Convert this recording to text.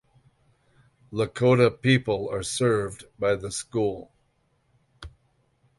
Lakota people are served by the school.